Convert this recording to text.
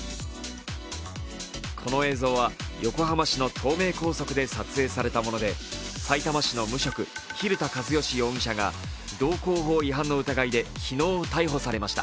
この映像は横浜市の東名高速で撮影されたものでさいたま市の無職蛭田和良容疑者が道交法違反の疑いで昨日逮捕されました。